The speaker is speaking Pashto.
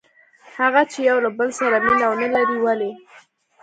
هغه چې یو له بل سره مینه ونه لري؟ ولې؟